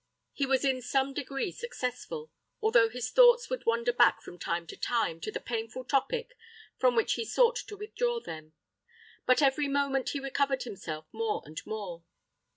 He was in some degree successful, although his thoughts would wander back, from time to time, to the painful topic from which he sought to withdraw them; but every moment he recovered himself more and more.